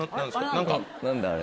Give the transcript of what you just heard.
何だあれ。